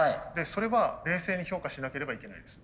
それは冷静に評価しなければいけないです。